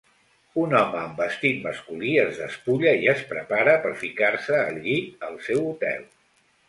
Un home amb vestit masculí es despulla i es prepara per ficar-se al llit al seu hotel.